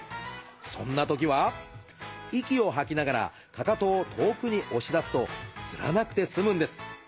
そんなときは息を吐きながらかかとを遠くに押し出すとつらなくて済むんです。